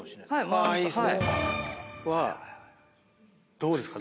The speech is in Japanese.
どうですか？